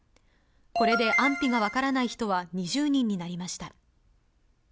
これで安否が分からない人は２０人になりました。